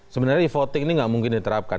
sebenarnya re voting ini nggak mungkin diterapkan